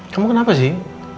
kamu kenapa sih